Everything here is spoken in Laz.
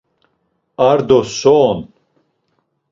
Ar do so on?